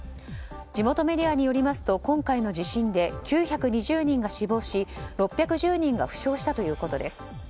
地元メディアによりますと今回の地震で９２０人が死亡し、６１０人が負傷したということです。